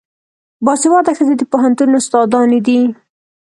باسواده ښځې د پوهنتون استادانې دي.